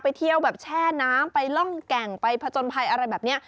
ไปแช่น้ำไปล่องแก่งไปประจนภัยอะไรแบบนี้